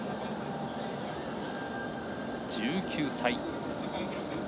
１９歳。